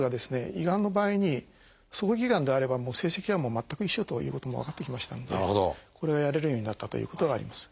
胃がんの場合に早期がんであれば成績は全く一緒ということも分かってきましたのでこれがやれるようになったということがあります。